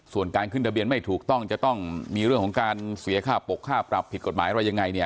ส่วนการขึ้นทะเบียนไม่ถูกต้องจะต้องมีเรื่องของการเสียค่าปกค่าปรับผิดกฎหมายอะไรยังไงเนี่ย